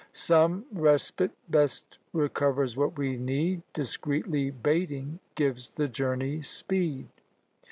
Some respite best recovers what we need, Discreetly baiting gives the journey speed.